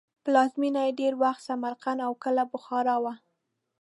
پلازمینه یې ډېر وخت سمرقند او کله بخارا وه.